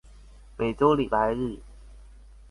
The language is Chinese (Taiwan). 每週禮拜日